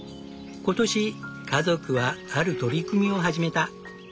今年家族はある取り組みを始めた。